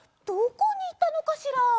どこにいったのかしら？